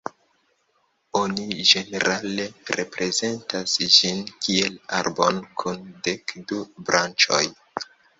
Oni ĝenerale reprezentas ĝin kiel arbon kun dek du branĉoj.